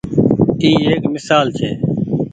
اي ايڪ ميسال ڇي۔